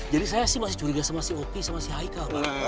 jadi saya sih masih curiga sama si oki sama si haika